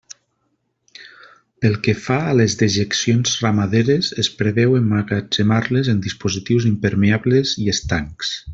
Pel que fa a les dejeccions ramaderes, es preveu emmagatzemar-les en dispositius impermeables i estancs.